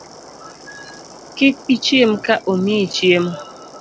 Kik ichiem ka omiyi chiemo